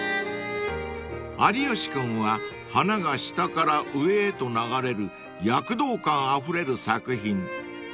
［有吉君は花が下から上へと流れる躍動感あふれる作品］